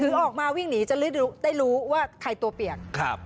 ถือออกมาวิ่งหนีจะได้รู้ได้รู้ว่าใครตัวเปียกครับ